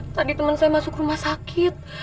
tadi teman saya masuk rumah sakit